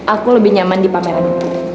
aku lebih nyaman di pameran